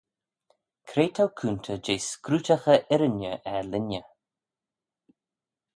Cre t'ou coontey jeh scrutaghey-irriney er linney?